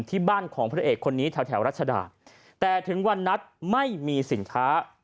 ที่บ้านของพระเอกคนนี้แถวแถวรัชดาแต่ถึงวันนัดไม่มีสินค้า